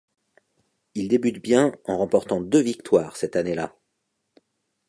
Il débute bien en remportant deux victoires cette année-là.